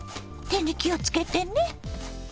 手に気をつけてね。